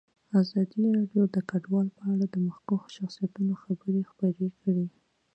ازادي راډیو د کډوال په اړه د مخکښو شخصیتونو خبرې خپرې کړي.